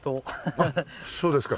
あっそうですか。